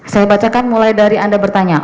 saya bacakan mulai dari anda bertanya